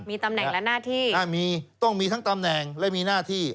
มีตำแหน่งและหน้าที่อ่ามีต้องมีทั้งตำแหน่งและมีหน้าที่